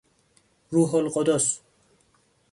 روح القدس